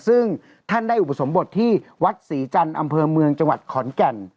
ซึ่งท่านได้อุปสมบทที่วัดศรีจันทร์อำเภอเมืองจังหวัดขอนแก่น